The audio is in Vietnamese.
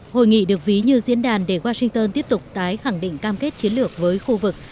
hội nghị được ví như diễn đàn để washington tiếp tục tái khẳng định cam kết chiến lược với khu vực